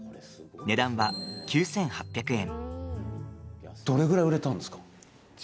値段は、９８００円。